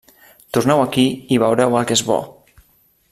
Torneu aquí i veureu el que és bo!